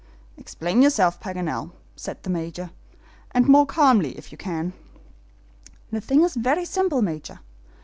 "Explain yourself, Paganel," said the Major, "and more calmly if you can." "The thing is very simple, Major.